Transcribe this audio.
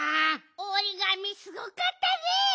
おりがみすごかったね！